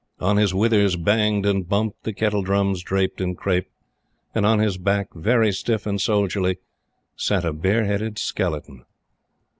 On his withers banged and bumped the kettle drums draped in crape, and on his back, very stiff and soldierly, sat a bare headed skeleton.